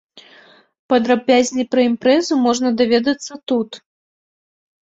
Падрабязней пра імпрэзу можна даведацца тут.